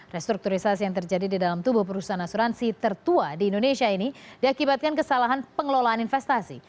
restrukturisasi yang terjadi di dalam tubuh perusahaan asuransi tertua di indonesia ini diakibatkan kesalahan pengelolaan investasi